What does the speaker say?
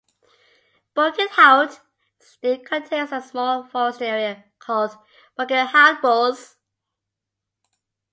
Buggenhout still contains a small forested area called "Buggenhoutbos".